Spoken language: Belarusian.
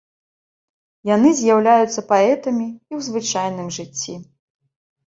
Яны з'яўляюцца паэтамі і ў звычайным жыцці.